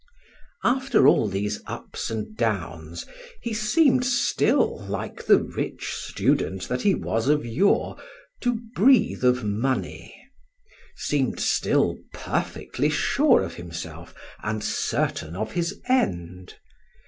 After all these ups and downs, he seemed still, like the rich student that he was of yore, to breathe of money; seemed still perfectly sure of himself and certain of his end.